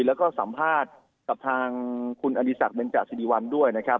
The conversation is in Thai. แล้วก็สัมภาษณ์กับทางคุณอดีศักดิเบนจาสิริวัลด้วยนะครับ